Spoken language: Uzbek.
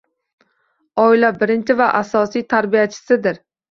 Oila birinchi va asosiy tarbiyachisidir